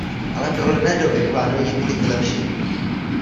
Ale v dohledné době plánuji několik vylepšení.